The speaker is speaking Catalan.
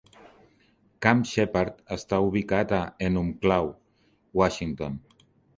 Camp Sheppard està ubicat a Enumclaw, Washington.